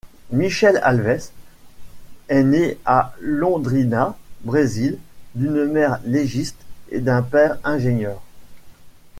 Michelle Alves est née à Londrina, Brésil, d'une mère légiste et d'un père ingénieur.